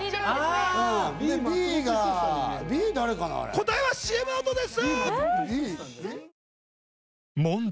答えはＣＭの後です！